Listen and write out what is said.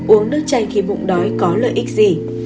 một uống nước chanh khi bụng đói có lợi ích gì